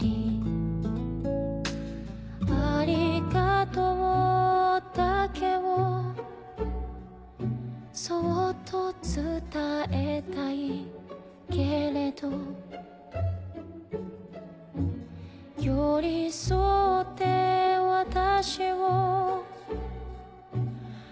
「ありがとうだけをそっと伝えたいけれど」「寄り添って私を見守るように」